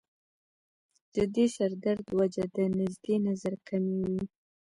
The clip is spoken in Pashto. د دې سر درد وجه د نزدې نظر کمی وي